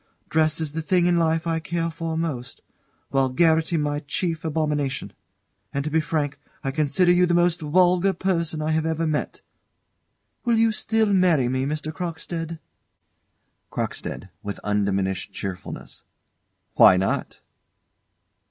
Dress is the thing in life I care for most, vulgarity my chief abomination. And to be frank, I consider you the most vulgar person I have ever met. Will you still marry me, Mr. Crockstead? CROCKSTEAD. [With undiminished cheerfulness.] Why not?